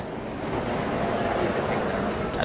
อดีตเป็นแอ่งน้ำ